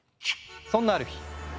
そんなある日。